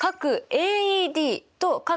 ＡＥＤと∠